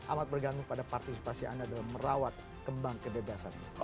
amat bergantung pada partisipasi anda dalam merawat kembang kebebasan